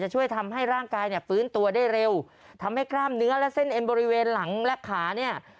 ช่วยทำให้ร่างกายเนี่ยฟื้นตัวได้เร็วทำให้กล้ามเนื้อและเส้นเอ็นบริเวณหลังและขาเนี่ย